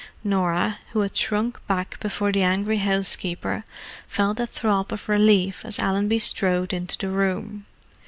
Norah, who had shrunk back before the angry housekeeper, felt a throb of relief as Allenby strode into the room.